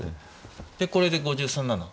でこれで５３なの？